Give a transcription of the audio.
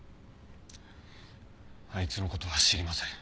あいつの事は知りません。